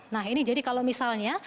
nah ini jadi kalau misalnya